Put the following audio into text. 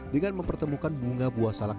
dengan mempertemukan bunga buah salak